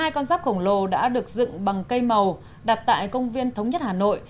một mươi hai con rác khổng lồ đã được dựng bằng cây màu đặt tại công viên thống nhất hà nội